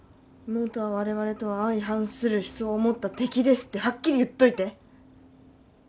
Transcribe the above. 「妹は我々とは相反する思想を持った敵です」ってはっきり言っといて。